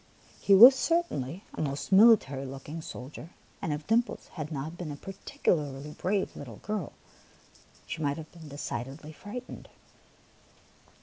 He was certainly a most military looking soldier, and if Dimples had not been a particularly brave little girl, she might have been decidedly frightened.